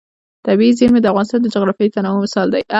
طبیعي زیرمې د افغانستان د جغرافیوي تنوع مثال دی.